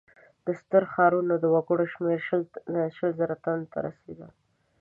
د سترو ښارونو د وګړو شمېر شل زره تنو ته رسېده.